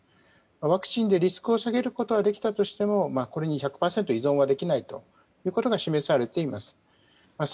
ワクチンでリスクを下げることができたとしてもこれに１００％依存はできないということが示されています。